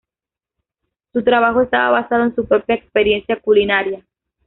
Su trabajo, estaba basado en su propia experiencia culinaria.